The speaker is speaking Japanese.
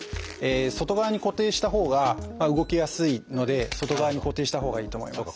外側に固定したほうが動きやすいので外側に固定したほうがいいと思います。